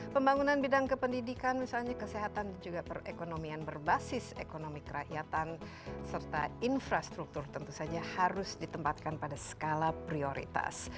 pembangunan bidang kependidikan misalnya kesehatan dan juga perekonomian berbasis ekonomi kerakyatan serta infrastruktur tentu saja harus ditempatkan pada skala prioritas